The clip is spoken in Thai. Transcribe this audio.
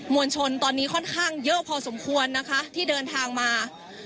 วลชนตอนนี้ค่อนข้างเยอะพอสมควรนะคะที่เดินทางมา